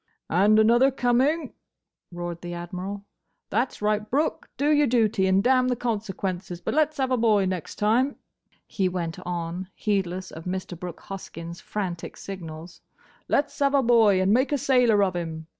"And another coming!" roared the Admiral. "That's right, Brooke! Do your duty, and damn the consequences!—But let's have a boy next time," he went on, heedless of Mr. Brooke Hoskyn's frantic signals, "let 's have a boy, and make a sailor of him!